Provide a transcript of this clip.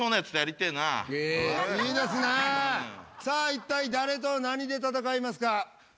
さあいったい誰と何で戦いますか？